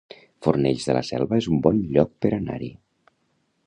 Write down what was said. Fornells de la Selva es un bon lloc per anar-hi